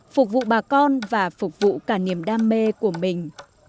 phục vụ bà con và phục vụ cả niềm đam mê của mình